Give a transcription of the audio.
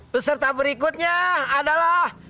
peserta berikutnya adalah